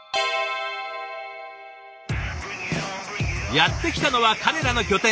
やって来たのは彼らの拠点